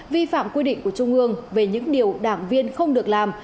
vi phạm quy định của trung ương về những điều đảng viên không được làm